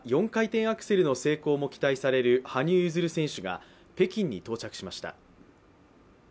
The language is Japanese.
４回転アクセルの成功も期待される羽生結弦選手が北京に到着しました。